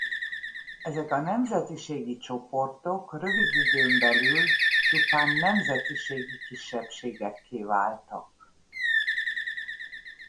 Ezek a nemzetiségi csoportok rövid időn belül csupán nemzetiségi kisebbségekké váltak.